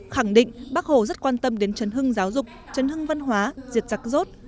khẳng định bác hồ rất quan tâm đến trấn hưng giáo dục trấn hưng văn hóa diệt giặc rốt